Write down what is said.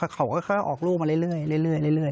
เขาก็ออกรูปมาเรื่อย